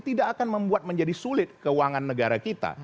tidak akan membuat menjadi sulit keuangan negara kita